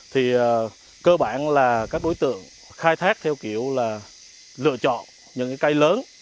thì cơ bản là các đối tượng khai thác theo kiểu là lựa chọn những cây lớn